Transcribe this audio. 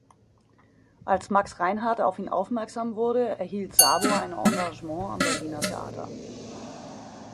Als Max Reinhardt auf ihn aufmerksam wurde, erhielt Sabo ein Engagement am Berliner Theater.